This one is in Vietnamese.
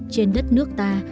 trên đất nước ta